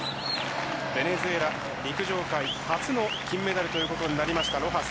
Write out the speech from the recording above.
ベネズエラ、陸上界初の金メダルということになりました、ロハス。